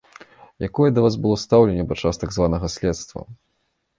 Якое да вас было стаўленне падчас так званага следства?